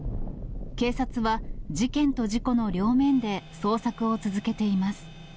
警察は、事件と事故の両面で捜索を続けています。